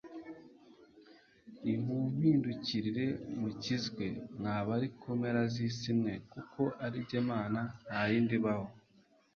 “Nimumpindukirire mukizwe mw’abari ku mpera z’isi mwe kuko ari jye Mana nta yindi ibaho.”